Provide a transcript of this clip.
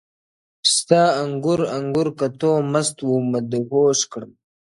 • ستا انګور انګور کتو مست و مدهوش کړم..